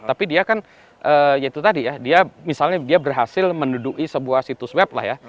tapi dia kan ya itu tadi ya dia misalnya dia berhasil menduduki sebuah situs web lah ya